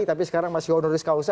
tapi sekarang masih honoris causa